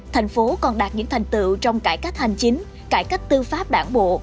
thành phố còn đạt những thành tựu trong cải cách hành chính cải cách tư pháp đảng bộ